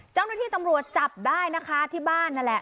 เจ้าหน้าที่ตำรวจจับได้นะคะที่บ้านนั่นแหละ